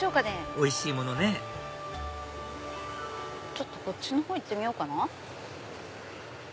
おいしいものねこっちの方行ってみようかな。